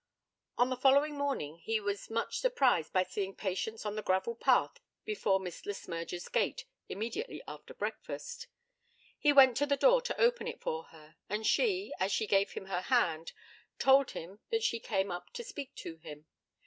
On the following morning he was much surprised by seeing Patience on the gravel path before Miss Le Smyrger's gate immediately after breakfast. He went to the door to open it for her, and she, as she gave him her hand, told him that she came up to speak to him.